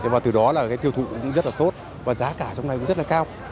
và từ đó là cái tiêu thụ cũng rất là tốt và giá cả trong này cũng rất là cao